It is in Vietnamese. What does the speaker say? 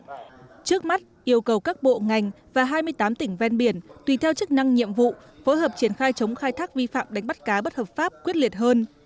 trước mắt yêu cầu các bộ ngành và hai mươi tám tỉnh ven biển tùy theo chức năng nhiệm vụ phối hợp triển khai chống khai thác vi phạm đánh bắt cá bất hợp pháp quyết liệt hơn